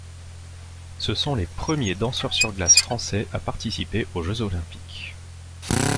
Ce sont les premiers danseurs sur glace français à participer aux jeux olympiques.